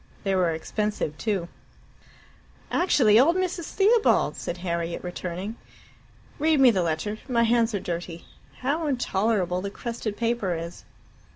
They were expensive too. "Actually old Mrs. Theobald!" said Harriet, returning. "Read me the letter. My hands are dirty. How intolerable the crested paper is."